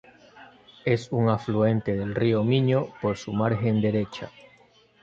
Es un afluente del río Miño por su margen derecha.